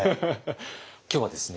今日はですね